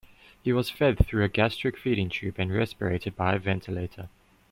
He was fed through a gastric feeding tube and respirated by a ventilator.